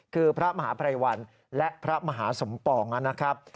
คือพระมหาภัยวันและพระมหาสมปองนะครับ